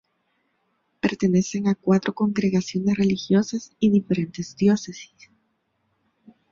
Pertenecen a cuatro congregaciones religiosas y diferentes diócesis.